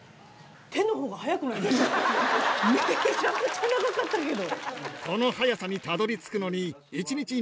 めちゃくちゃ長かったけど。